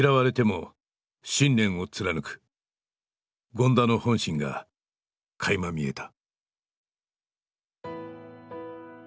権田の本心がかいま見えた。